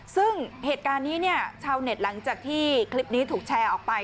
ซึ่งเหตุการณ์นี้เนี่ยชาวเน็ตหลังจากที่คลิปนี้ถูกแชร์ออกไป